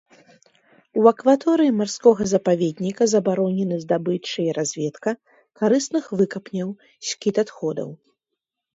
У акваторыі марскога запаведніка забаронены здабыча і разведка карысных выкапняў, скід адходаў.